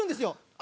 あ！